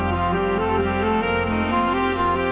คุณได้รักษาชุดที่มีความทรัพย์